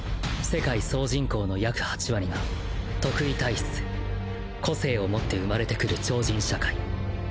世界総人口の約８割が特異体質個性を持って生まれてくる超人社会。